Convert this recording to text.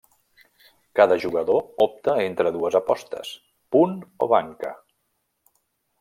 Cada jugador opta entre dues apostes: punt o banca.